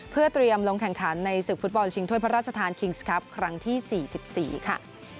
เพื่อเตรียมลงแข่งขันในศึกฟุตบอลชิงถ้วยพระราชทานคิงส์ครับครั้งที่๔๔ค่ะ